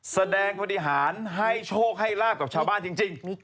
แสดงบริหารให้โชคให้ลาบกับชาวบ้านจริง